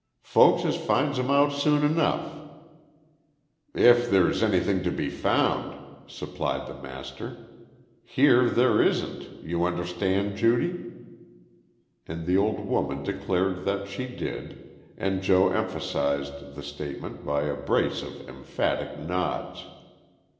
Folkses finds 'em out soon enough " "If there's anything to be found," supplied the master. "Here there isn't, you understand, Judy?" And the old woman declared that she did, and Joe emphasised the statement by a brace of emphatic nods.